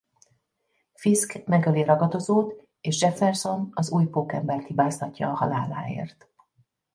Fisk megöli Ragadozót és Jefferson az új Pókembert hibáztatja a haláláért.